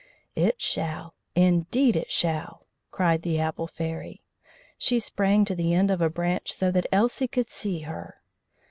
"It shall! Indeed it shall!" cried the Apple Fairy. She sprang to the end of a branch so that Elsie could see her.